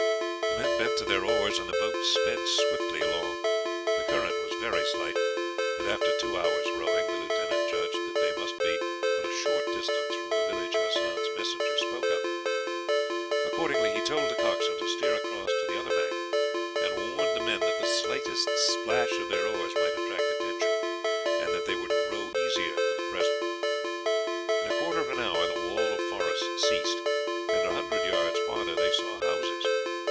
The men bent to their oars, and the boat sped swiftly along. The current was very slight, and after two hours' rowing, the lieutenant judged that they must be but a short distance from the village Hassan's messenger spoke of. Accordingly, he told the coxswain to steer across to the other bank, and warned the men that the slightest splash of their oars might attract attention, and that they were to row easier for the present. In a quarter of an hour the wall of forest ceased, and a hundred yards farther they saw houses.